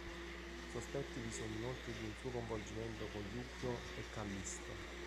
Sospetti vi sono inoltre di un suo coinvolgimento con Yukio e Callisto.